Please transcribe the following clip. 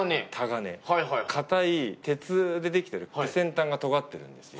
硬い鉄でできてる先端がとがってるんです。